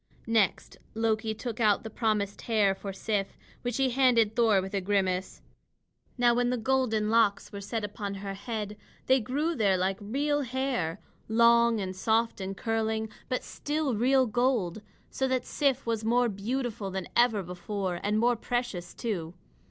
Next Loki took out the promised hair for Sif, which he handed Thor with a grimace. Now when the golden locks were set upon her head, they grew there like real hair, long and soft and curling but still real gold. So that Sif was more beautiful than ever before, and more precious, too.